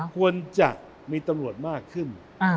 ควรจะมีตำรวจมากขึ้น